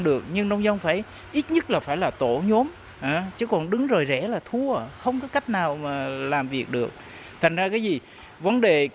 tuy nhiên nông dân phải liên kết sản xuất tạo ra các sản phẩm chất lượng bởi lẽ tiêu việt nam phải cạnh tranh với các nước sản xuất tiêu lớn như brazil indonesia